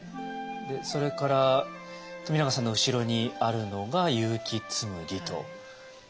それから冨永さんの後ろにあるのが結城紬ということなんですね。